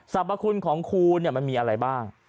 สรรพคุณของคูณเนี่ยมันมีอะไรบ้าง